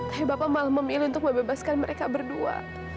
tapi bapak malah memilih untuk membebaskan mereka berdua